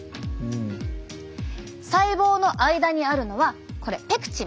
細胞の間にあるのはこれペクチン。